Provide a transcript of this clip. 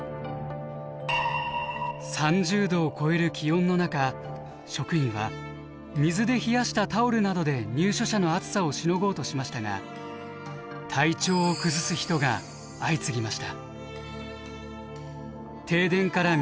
３０度を超える気温の中職員は水で冷やしたタオルなどで入所者の暑さをしのごうとしましたが典子さんに熱中症の症状が現れます。